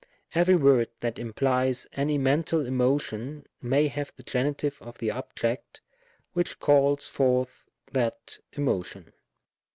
Every word that implies any mental emotion may have the Gen. of the object which calls forth that emotion.